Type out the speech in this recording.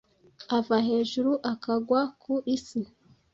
ava hejuru akagwa ku isi